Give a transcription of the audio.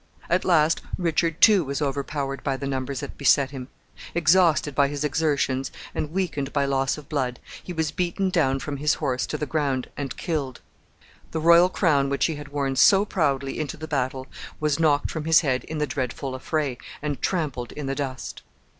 At last Richard too was overpowered by the numbers that beset him. Exhausted by his exertions, and weakened by loss of blood, he was beaten down from his horse to the ground and killed. The royal crown which he had worn so proudly into the battle was knocked from his head in the dreadful affray, and trampled in the dust.